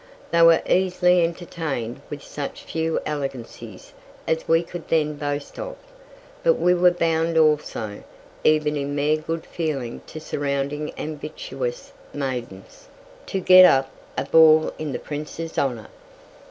They were easily entertained with such few elegancies as we could then boast of. But we were bound also, even in mere good feeling to surrounding ambitious maidens, to get up a ball in the Prince's honour.